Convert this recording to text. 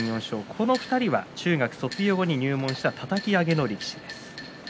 この２人は中学卒業後に入門したたたき上げの力士です。